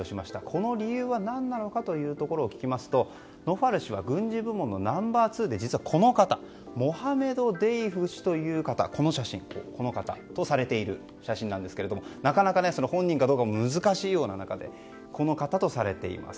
この理由は何なのかというところを聞きますとノファル氏は軍事部門のナンバー２で実はこの方モハメド・デイフ氏という方この方とされている写真なんですがなかなか本人かどうかも難しいような中でこの方とされています。